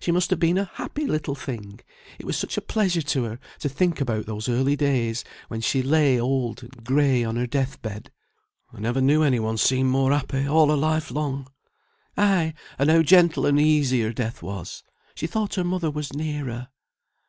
She must have been a happy little thing; it was such a pleasure to her to think about those early days, when she lay old and gray on her death bed." "I never knew any one seem more happy all her life long." "Ay! and how gentle and easy her death was! She thought her mother was near her."